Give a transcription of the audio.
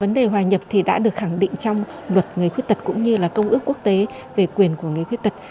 vấn đề hòa nhập thì đã được khẳng định trong luật người khuyết tật cũng như là công ước quốc tế về quyền của người khuyết tật